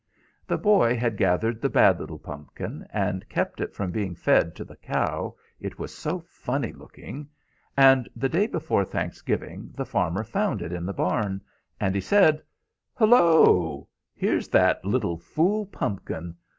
The boy had gathered the bad little pumpkin, and kept it from being fed to the cow, it was so funny looking; and the day before Thanksgiving the farmer found it in the barn, and he said, "'Hollo! Here's that little fool pumpkin.